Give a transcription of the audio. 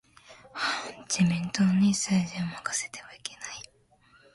自民党に政治を任せてはいけない。